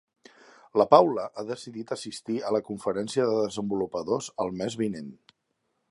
La Paula ha decidit assistir a la Conferència de Desenvolupadors el mes vinent.